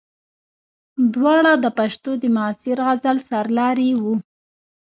دواړه د پښتو د معاصر غزل سرلاري وو.